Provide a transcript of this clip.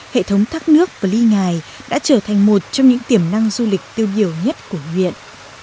hệ thống thác nước pi ngài đã trở thành một trong những tiềm năng du lịch tiêu biểu nhất của huyện